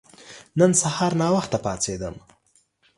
نن سهار ناوخته پاڅیدم.